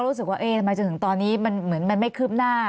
รู้สึกว่าทำไมจนถึงตอนนี้มันเหมือนมันไม่คืบหน้า